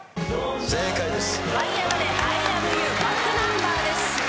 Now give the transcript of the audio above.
正解です。